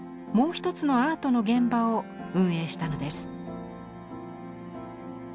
もう一つのアートの現場を運営したのです。